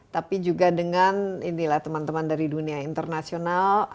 tapi juga dengan inilah teman teman dari dunia internasional